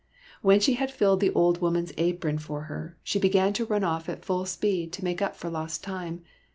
When she had filled the old woman's apron for her, she began to run off at full speed, to make up for lost time.